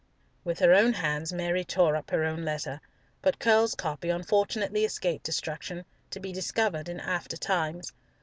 With her own hands Mary tore up her own letter, but Curll's copy unfortunately escaped destruction, to be discovered in after times.